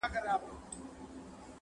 و دې پتنګ زړه ته مي ګرځمه لمبې لټوم-